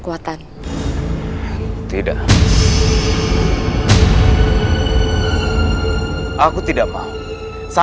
karena mereka benar benar tidak maizah